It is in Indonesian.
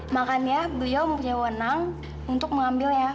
makanya beliau mempunyai wenang untuk mengambilnya